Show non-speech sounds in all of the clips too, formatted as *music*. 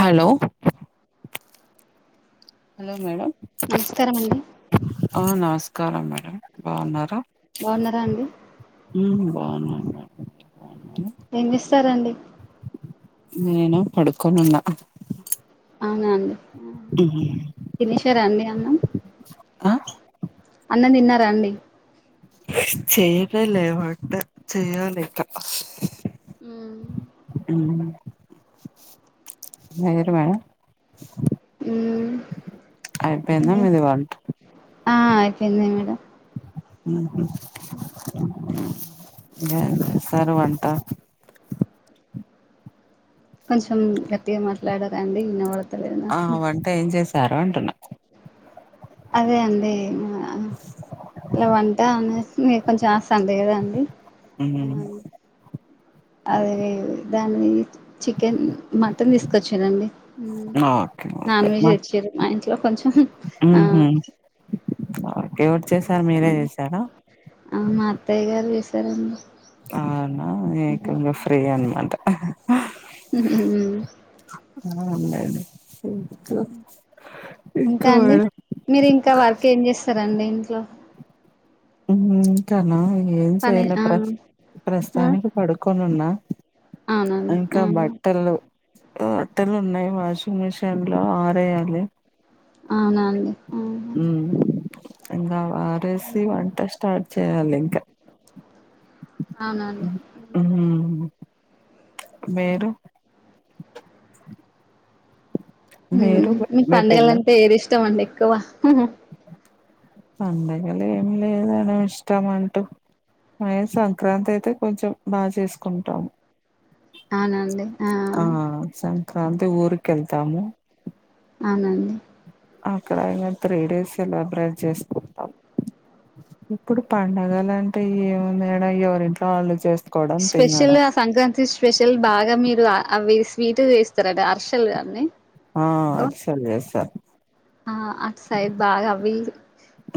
Hello hello madam. నమస్కారమండి. ఆ నమస్కారం మేడం. బావున్నారా? బావున్నరా అండి? బావున్నాను మేడం. బావున్నారా? ఏం చేస్తారండి? నేనా పడుకొని ఉన్నా. అవునా అండి, తినేశారా అండి అన్నం. ఆ అన్నం తిన్నారా అండి. చేయలే లే వంటా చేయాలింకా. ఉ ఉ లేరువాయ మ్మ్ అయిపోయిందా మీది వంటా. ఆ అయిపోయింది మేడం. ఏం చేసారు వంటా? కొంచెం గట్టిగా మాట్లాడరా అండి వినబడ ఆ వంట ఏం చేశారు అంటున్నా. అదే అండి మా వంట అనేసి మీకు కొంచెం ఆస్తాన్ లేదండి. ఉ అదే దాన్ని చికెన్, మటన్ తీసుకొచ్చిరండి. ఓకే ఓకే నాన్ వెజ్ మా తెచ్చింర్రు మా ఇంట్లో కొంచెం ఆ ఉహు ఓకే ఎవరు చేసారు, మీరే వండేసామండి. చేసారా? ఆ మా అత్తయ్య గారు చేసారండి. అవునా నీకు కొంచెం ఫ్రీ అనమాట. ఊ ఆ ఉండండి. ఇంకా ఇంకా మేడం. మీరు ఇంకా వర్క్ ఏం చేస్తారండి ఇంట్లో ఇంకాన ఏం పని చెయలే ఆ ప్రస్ ఆ ప్రస్తుతానికి పడుకొని ఉన్నా. అవునండి ఇంకా ఆ బట్టలు ఆ బట్టెలు ఉన్నయి వాషింగ్ మిషిన్లో ఆరేయాలి. అవునా అండి ఉ ఉ ఇంగా అవి ఆరేసి వంట స్టార్ట్ చేయాలి ఇంకా. అవునా అండి. మ్మ్ మీరు? మ్ మీరు మీకు మీ పిల్ల పంండగలంటే ఏది ఇష్టం అండి ఎక్కువ పండగల ఏమి లేదండి ఇష్టమంటు మై సంక్రాంతి అయితే కొంచెం బా చేసుకుంటాం ఆ సంక్రాంతి ఊరికి ఎల్తాము అవునండి అక్కడ ఇక త్రీ డేస్ సెలబ్రేట్ చేసుకుంటాం ఇప్పుడు పండగలంటే ఏమున్నాయడా ఎవరింట్లో వాళ్ళు చేస్త స్పెషల్ గా సంక్రాంతి స్పెషల్ బాగా మీరు అవి స్వీట్ వేస్తారట అరెసలు అన్ని ఆ ఎక్కువ అరిసెలు చేస్తారు ఆ అట్ సైడ్ బాగా అవి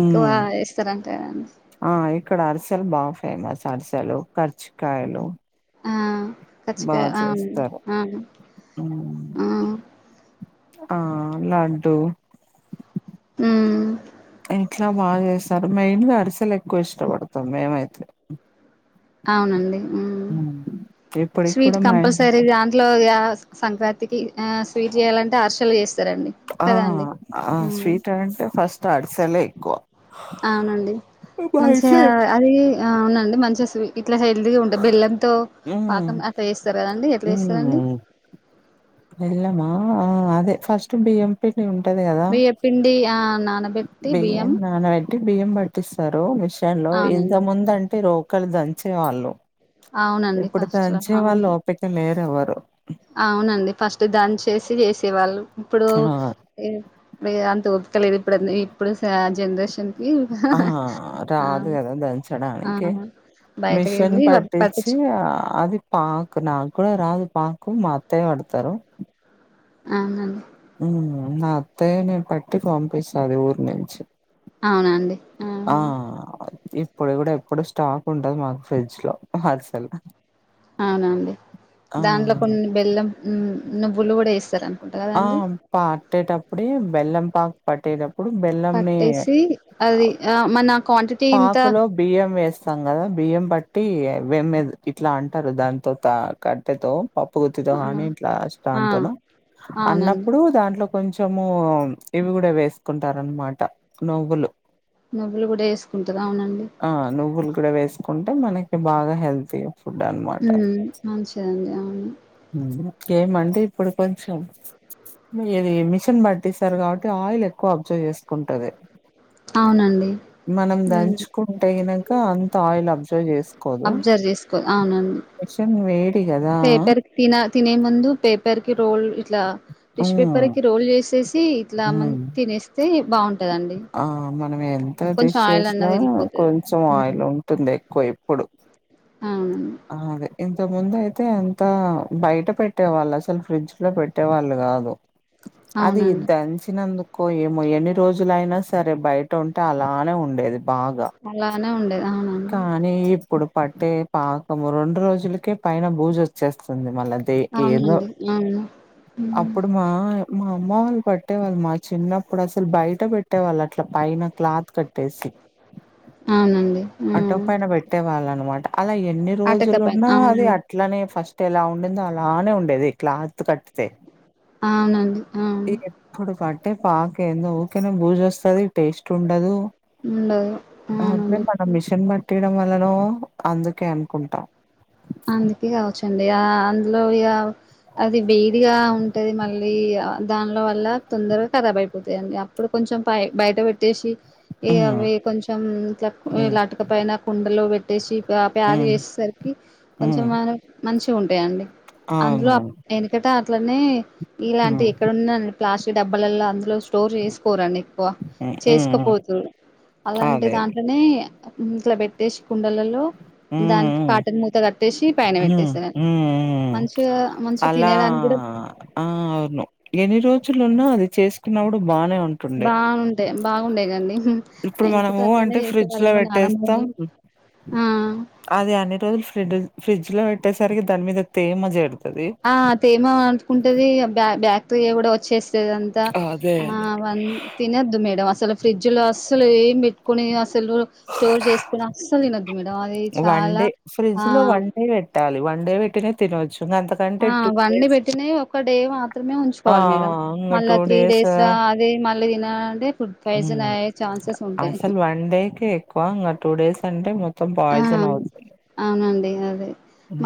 ఎక్కువ ఉమ్ ఏస్తారంటా గదా అండి ఆ ఇక్కడ అరిసెలు బా ఫేమస్ అరిసెలు కర్జికాయలు ఆ కజ్జికాయ ఆ చేస్తారు ఆ ఉమ్ ఆ ఆ లడ్డు మ్ ఇంట్లో బాగా చేస్తారు మెయిన్గా అరిసలు ఎక్కువ ఇష్టపడతాం మేమైతే అవునండి ఊమ్ హ్మ్. ఇప్పటికి స్వీట్ కూడా మా ఇంట్లో కంపల్సరీగా ఇంట్లో ఆ సంక్రాంతికి ఆ స్వీట్ చేయాలంటే అరిసలు చేస్ ఆ స్వీట్ అంటే ఫస్ట్ ఆడిసలే ఎక్కువ అవునండి మా మంచిగా ఇంట్లో అది ఆ అవునండి మంచి ఇట్లా చే ఉండ బెల్లంతో ఉమ్ పాకం అట్లా చేస్తారు కదండి ఎట్లా చేస్తారండి ఉమ్ బెల్లమా ఆ అదే ఫస్ట్ బియ్యం పిండి ఉంటది కదా బియ్య పిండి ఆ నాన బియ్యం నానబెట్టి బియ్యం పట్టిస్తారు మిషన్ లో ఇంత అవునండి ముందు అంటే రో కలి దంచేవాళ్ళు అవునండి ఇప్పుడు ఫస్ట్లా దంచే వాళ్ళు అవును ఓపిక లేరు ఎవరు అవునండి ఫస్ట్ దంచేసి చేసేవాళ్ళు ఇప్పుడు ఆ అంత ఒపికలేదు ఇప్పుడు ఇప్పుడు స జనరేషన్ కి ఆ ఆ రాదు గదా ఆ దంచడానికి బయటకి మిషన్ వెళ్ళి పట్టించి పట్టించు అది పాక్ ఇగ నాకు కూడా రాదు పాకు మా అత్తయ్య పడతారు అహ ఊమ్ నా అత్తయ్య నే పట్టి ఫంపిస్తది ఊరు నుంచి అవునా అండి ఆ ఇప్పుడు కూడా ఎప్పుడు స్టాక్ ఉంటది మాకు ఫ్రిడ్జ్ లో అరిసలు అవునా అండి దాంట్లో కొన్ని బెల్లం ను నువ్వులు కూడా ఏస్తారండి ఆ పాట్టేప్పుడే బెల్లం పాక్ పట్టేటప్పుడు బెల్లంని పట్టేసి అది ఆ! మన క్వాంటిటీ ఇంత పాకులో బియ్యం వేస్తాం గదా బియ్యం బట్టి వెమ్ ఇట్లా అంటారు దాంతో త కట్టెతో పప్పు గుత్తితో ఆ గానీ ఆ! ఇంట్లాష్టాంతోను అవునండి అన్నప్పుడు దాంట్లో కొంచము ఇవి కూడా వేసుకుంటారనమాట నవ్వులు నువ్వులు కూడా వేసుకుంటుందా అవునండి ఆ నువ్వులు కూడా వేసుకుంటే మనకి బాగా హెల్తీ ఫుడ్డే అన్ మా మ్ మంచిదండి అవును కేమంటే ఇప్పుడు కొంచెం ఇది మిషన్ పట్టిస్తారు కాబట్టి ఆయిల్ ఎక్కువ అబ్జర్వ్ జేసుకుంటది అవునండి మనం హ్మ్. దంచుకుంటే గినక అంత ఆయిల్ అబ్జర్వ్ జేసుకోదు అబ్జర్వ్ చేసుకో అవునండి మిషన్ వేడి గదా పేపర్ కి తిన తినే ముందు పేపర్ కి రోల్ ఇట్లా టిష్యూ పేపర్ ఉమ్ కి రోల్ జేసేసి ఇట్లా మం హ్మ్. తినేస్ ఆ మనం ఎంత కొంచెం టిష్ ఆయిల్ చేసినా అన్నది వెళ్ళిపోతది కొంచెం ఆయిల్ ఉం టుంది ఎక్కువ ఇప్పుడు అవునండి అదే ఇంత ముందు అయితే అంత బయట పెట్టేవాళ్ళు అసలు ఫ్రిడ్జ్ లో పెట్టేవాళ్ళు గాదు అది అవునండి దంచినందుకో ఏమో ఎన్ని రోజులైనా సరే బయట ఉంటే అలానే ఉండేది బాగా అలానే ఉండేది అవునండి కానీ ఇప్పుడు పట్టే పాకము రెండు రోజులకే పైన బూజు వచ్చేస్తుంది మళ్ళ తే ఏందో అవునండి అవును హ్మ్. అప్పుడు మా మా అమ్మ వాళ్ళు పట్టేవాళ్ళు మా చిన్నప్పుడు అసలు బయట పెట్ ట్టే వాళ్ళు అట్లా పైన క్లాత్ కట్టేసి అవునండి అట్టక హ్మ్. పైన పెట్టే వాళ్ళు అన్నమాట అలా ఎన్ని అటక పైన రోజులున్నా అది అవునండి అట్లనే ఫస్ట్ ఎలా ఉండిందో అలానే ఉండేది క్లాత్ కట్ అవునండి అవును ఇప్పుడు కట్టే పాక ఏందో ఊకనే బూజు వస్తది టేస్ట్ ఉండదు ఉండదు అదే మనం అవునండి మిషన్ పట్టియడం వల్లనో అందుకే అనుకుంటాం అందుకే కావచ్చు అండి ఆ అందులో ఇగ అది వేడిగా ఉంటది మళ్ళీ దానిలో వల్ల తొందరగా ఖరాబ్ అయిపోతయండి ఇప్పుడు కొంచెం పై బయట పెట్టేషి ఈ హ్మ్ అవి కొంచెం ఇట్ల హ్మ్ లటుక పైన కుండలో పెట్ ట్టేషి ప్యాక్ హ్మ్ చేసేసరికి కొంచెం హ్మ్ మంచిగా ఉంటాయండి అందులో అవునవును యెనుకట అట్లనే ఇలాంటి హ్మ్ ఇక్కడున్నాని ప్లాస్టిక్ డబ్బాలల్లా అందులో స్టోర్ చేసుకోరండి ఎక్కువ హ్మ్ హ్మ్ హ్మ్. చేసుకోపోతురు అలాంటి అదే దాంట్లనే ఇట్లా పెట్టేసి కుండలలో దానికి కాటన్ మూత కట్ ఉమ్ ఉమ్ ఉమ్ ఉమ్ మంచిగా మంచిగా అలా తినడానికి కూడా ఆ అవును ఎన్ని రోజులున్నా అది చేసుకున్నప్పుడు బాగానే ఉంటు బాగు ఉంటయ్ బాగుండేది అండి ఇప్పుడు యెనకట మనము అట్లనే అంటే చేసే ఫ్రిడ్జ్ లో వాళ్ళము పెట్టేస్తాం నాన్నమని ఆ అది అన్ని రోజులు ఫ్రిడ్జ ఫ్రిడ్జ్ లో పెట్టేసరికి దాని మీద తేమ జేరుతది ఆ అ తేమో అనుకుంటది బ్యాక్టీరియా కూడా వచ్చేసి తది అంతా అదే ఆ అదే వన్ తినొద్దు మేడం అసలు ఫ్రిడ్జ్ లో అసలు ఏం పెట్టుకుని అసలు స్టోర్ చేసుకుని అస్సలు తిననద్దు మేడం అది వన్ చాలా డే ఆ ఫ్రిడ్జ్ లో వన్ డే పెట్టాలి వండే బెట్టినయ్ తినొచ్చు అంతకంటే ఆ టూ వండే డేస్ పెట్టినయ్ ఒక డే మాత్రమే ఆ ఆ! ఉంచుకోవాలి మేడం ఇంగ మళ్ళా టూ త్రీ డేస్ రా అదే మళ్ళీ తినాలంటే ఫుడ్ పాయిజన్ హ్మ్. అయ్యే ఛాన్సెస్ ఉంటాయి. అసలు వన్ డే కే ఎక్కువ ఇంగా టూ డేస్ అంటే మొత్తం ఆ పాయిజన్ అవుతుంది అవునండి అదే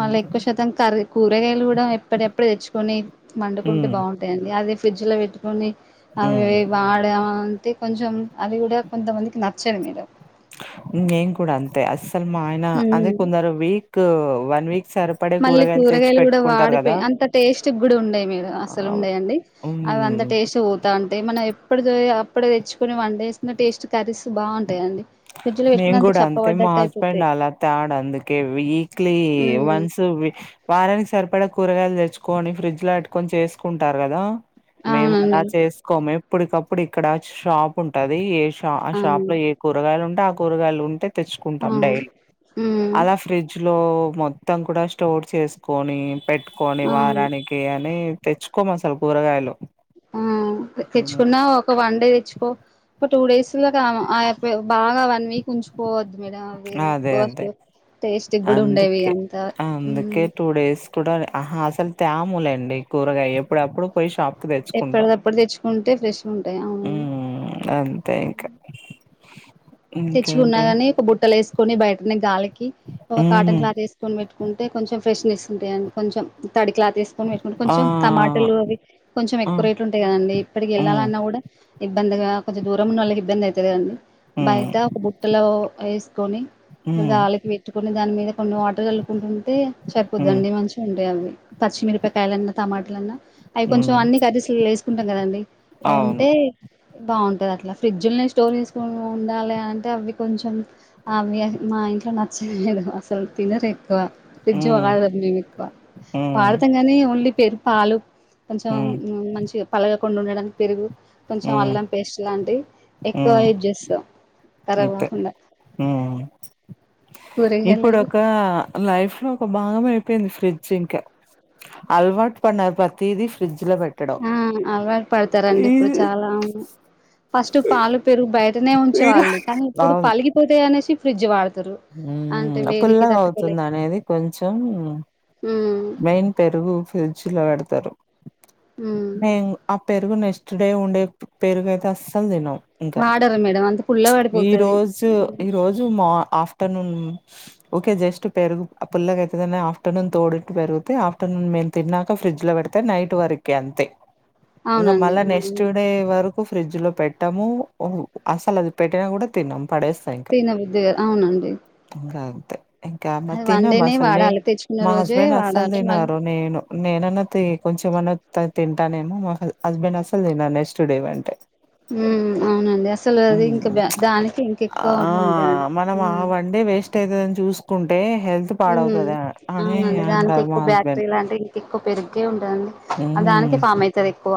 మళ్ళీ ఎక్కువ శాతం కర్రి కూరగాయలు కూడా ఎప్పుడి అప్పుడు తెచ్చుకొని వండుకుంటే బావుం టే అండి అది ఫ్రిజ్ లో పెట్టుకొని అవి మ్మ్ వాడే అం టే కొంచెం అది కూడా కొంతమందికి నచ్చదు మేడం నేను కూడా అంతే అస్సలు మా ఆయన అదే హ్మ్ కొందరు వీక్ వన్ వీ మళ్ళీ కూరగాయలు కూడా వాడిపోయి కదా అంత టేస్ట్ కూడా ఉండయి మీరు అస్సలు ఉండయండి అది అంతా మ్మ్ టేస్ట్ ఓ యా అంతే మనం ఎప్పుడుది అప్పుడే తెచ్చుకొని వండేసినా టేస్ట్ కర్రీస్ బావుంటాయండి మేము కూడా అంతే మా హస్బెండ్ అలా తేడు అందుకే వీక్లీ ఉమ్ వన్స్ కువి వారానికి సరిపడా కూరగాయలు తెచ్చుకోని ఫ్రిడ్జ్ లో పెట్టుకొని చేసుకుంటారు కదా మేము అవునండి అలా చేసుకోము ఇప్పుడికప్పుడు ఇక్కడ షాప్ ఉంటాది ఏష్ టా ఆ షాప్ అవునండి లో ఏ కూరగాయలు ఉంటే ఆ కూరగాయలు ఉంటే ఆ తెచ్చుకుంటాం డైలీ ఉమ్ అలా ఫ్రిజ్ లో మొత్తం కూడా స్టోర్ చేసుకొని పెట్టుకొని ఆ వారానికి కి అని తెచ్చుకోం అసలు కూరగాయలు ఆ ఉమ్, తెచ్చుకున్నా ఒక వన్ డే తెచ్చు కో ఓ టూ డేస్ *unintelligible* బాగా వన్ వీక్ ఉంచు పోవద్ మీద అవేల్ అదే పోస్ట్ అదే టేస్టుగ కూడా ఉండవి అందుకే అంతా ఉమ్ టుడాలి అహా అసలు తాములేండి కూరగాయ ఎప్పుడు అప్పుడు పోయి షాప్ పు తెచ్చుకుంటా ఎప్పటిదప్పుడు తెచ్చుకుంటే ఫ్రెష్గా ఉంటాయి ఊ అవునండి ఊ అంతే ఇక హా తెచ్చుకున్నా గానీ ఒక బుట్టల ఏసుకొని బయటని గాలికి ఒక కాటన్ హ్మ్ క్లాత్ ఏస్ కొని పెట్టుకుంటే కొంచెం ఫ్రెష్నెస్ ఉంటాయండి కొంచెం తడి క్లా తీసుకొని పెట్టుకుంటే ఆ కొంచం టమాటాలు అవి కొంచెం ఆ ఎక్కువ రేట్ ఉంటాయి కదండి ఇప్పటికి హ్మ్ ఎళ్ళాలన్నా కూడా ఇబ్బందిగా కొంచెం దూరం ఉన్న వాళ్ళకి ఇబ్బంది అవుతుదిగా అండి బై హ్మ్ ట్టాకు బుట్టలో వేసుకొని ఇట్టే హ్మ్ గాలికి బె ట్టుకొని దాని మీద కొన్ని వాటర్ జల్లుకుంటుంటే హ్మ్ సరిపోద్దండి మంచిగా ఉంటాయి అవి పచ్చిమిరపకాయలన్నా టమాటాలన్నా అవి కొంచెం హ్మ్ అన్నీ కర్రీస్లల్లో ఏసుకుంటాం కదండి అవి అవును ఉంటే బావుంటది అట్లా ఫ్రిజ్జులనే స్టోర్ చేసుకుని ఉండాలె అంటే అవి కొంచెం అవి మా ఇంట్లో నచ్చలేదు అసలు తినరె క్కువ ఫ్రిజ్ హ్మ్ వాడం మేము ఎక్కువ హ్మ్ వాడతాం కానీ ఓన్లీ పెరు పాలు కొంచెం హ్మ్ మంచిగా పలగకుండా ఉండడానికి పెరుగు కొంచెం హ్మ్ అల్లం పేస్ట్ లాంటివి ఎక్కువ హ్మ్ యూజ్ చేస్తా కరాబ్ కాకుండా ఊ ఇప్పుడు కూరగాయలు ఒక లైఫ్ లో ఒక భాగం అయిపోయింది ఫ్రిజ్ ఇంకా అల్వాటు పడినా పతీదీ ఫ్రిజ్ లో పె అవును అలవాటు పడతారండి ఇప్పుడు చాలా ఫస్ట్ పాలు పెరుగు బయటనే ఉంచే ఇగ వాళ్ళు కానీ ఇప్పుడు పలిగిపోతాయి అనేసి ఫ్రిజ్ వాడతారు అంటే ఊ వేడికి పుల్లగా అవుతుంది అనేది కొంచెం ఊ మెయిన్ పెరుగు ఫ్రిజ్ లో పెడతారు ఉమ్ నేను ఆ పెరుగు నెక్స్ట్ డే ఉండే పెరుగు అయితే అస్సలు తిను ఇంకా వాడరు మేడం అంత పుల్ల ఈ పడిపోతది రోజు ఈ రోజు మా ఆఫ్ ఆఫ్టర్నూన్ ఓకే జస్ట్ పెరుగు ఆ పుల్లక అయితుందినే ఆఫ్టర్నూన్ తోడు పెరుగుతే ఆఫ్టర్నూన్ మేము తిన్నాక ఫ్రిడ్జ్ లో పెడీతే నైట్ వరకి అంతే ఇకా అవునండి మళ్ళ అవును నెక్స్ట్ డే వరక్ ఫ్రిడ్జ్ లో పెట్టాము అసలు అది పెట్టినా కూడా తిన్నాము పడేస్తమ్ తీన బుద్ది కాదు అవునండి ఇంకా అంతే ఇంకా మ అది తినమా వండేనే అసలు నే వాడాలి తెచ్చుకున్న మా రోజే హస్బెండ్ అస్సలు వాడాలి మళ్ళీ తినరు నేను నేనన్నా తి కొంచెంమన్నా తింటానేమో మా హస్బెండ్ అసలు తిన్నాను నెక్స్ట్ డే వంటే హు అవునండి అసలు అది ఇంకా దానికి ఇంకా ఆ ఎక్కువ అట్లు ఉంటాయండి హ్మ్ వంటే గదా అన్ని చూసుకుంటే హెల్త్ ఉమ్ పాడవుతుంది అని అవునండి దానికి అంటారు మా ఎక్కువ హస్బెండ్ బ్యాక్టరీ లాంటివి ఇంక ఎక్కువ *unintelligible* ఉంటదడి అ దానికి మ్మ్ ఫామ్ అయ్తాది ఎక్కువ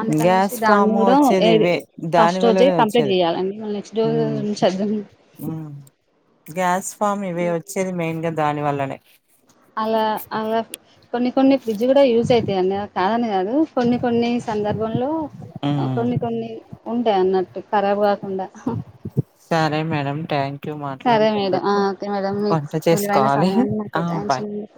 అందుకనేసి గ్యాస్ దాన్ని ఫామ్ కూడా ఏ వచ్చేది ఇవే దాని ఫస్ట్ రోజే వల్లనే కంప్లీట్ వచ్చేది చేయాలండి మళ్ళీ నెక్స్ట్ డే *unintelligible* చద్దన్నం ఉమ్ గ్యాస్ ఫామ్ ఇవి వచ్చేది మెయిన్ గా దాని వల్లనే అలా అలా కొన్ని కొన్ని ఫ్రిడ్జ్ కూడా యూజ్ అవుతాయండి కాదని కాదు కొన్ని కొన్ని సందర్భంలో మ్మ్ కొన్ని కొన్ని ఉంటాయి అన్నట్టు ఖరాబ్ కాకుండా హామ్ సరే మేడం థ్యాంక్ క్యూ సరే మేడం ఆ మాట్లాడినందుకు ఓకే మేడం మీకు వంట విలువైన చేసుకోవాలి సమయాన్ని నాకు ఆ బాయ్ కేటాయించినందుకు